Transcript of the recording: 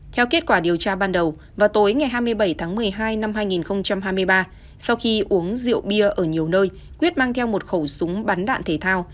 theo kết quả điều tra ban đầu vào tối ngày hai mươi bảy tháng một mươi hai năm hai nghìn hai mươi ba sau khi uống rượu bia ở nhiều nơi quyết mang theo một khẩu súng bắn đạn thể thao